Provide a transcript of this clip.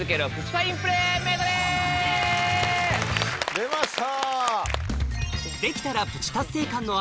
出ました。